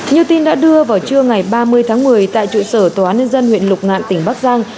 như tin đã đưa vào trưa ngày ba mươi tháng một mươi tại trụ sở tòa án nhân dân huyện lục ngạn tỉnh bắc giang